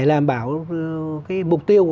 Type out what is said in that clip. làm bảo cái mục tiêu của